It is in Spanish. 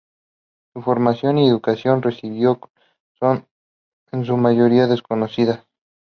Su formación y la educación que recibió son en su mayoría desconocidas.